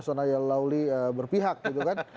sonayal lawli berpihak gitu kan